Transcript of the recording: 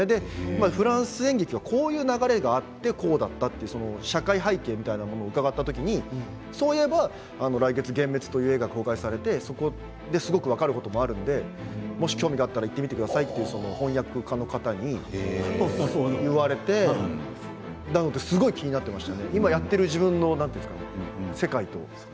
フランス演劇はこういう流れがあってこうだったと社会背景みたいなものを伺った時にそういえば来月「幻滅」という映画が公開されてそこですごく分かることもあるので、もし興味があったら行って見てくださいと翻訳家の方に言われてすごく気になってました。